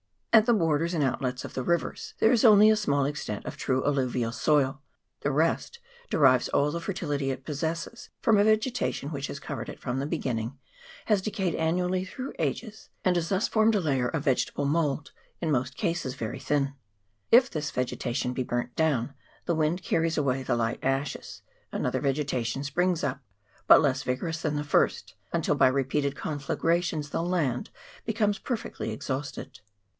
At the borders and outlets of the rivers there is only a small extent of true alluvial soil, the rest derives all 368 INJURIOUS EFFECTS OF [PART II. the fertility it possesses from a vegetation which has covered it from the beginning, has decayed annually through ages, and has thus formed a layer of vegetable mould, in most cases very thin. If this vegetation he burnt down, the wind carries away the light ashes another vegetation springs up, but less vigorous than the first, until by re peated conflagrations the land becomes perfectly exhausted.